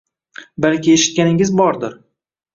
Balki eshitganingiz bordir: